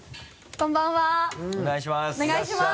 こんばんはよろしくお願いします